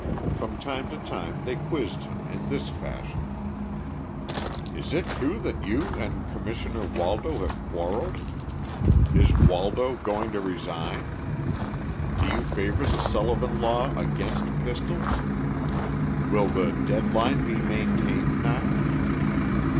From time to time they quizzed him in this fashion: "Is it true that you and Commissioner Waldo have quarrelled?" "Is Waldo going to resign?" "Do you favor the Sullivan law against pistols?" "Will the 'dead line' be maintained now?"